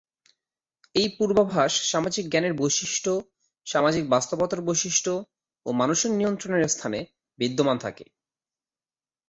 এই পূর্বাভাস সামাজিক জ্ঞানের বৈশিষ্ট, সামাজিক বাস্তবতার বৈশিষ্ট, ও মানুষের নিয়ন্ত্রণের স্থানে বিদ্যমান থাকে।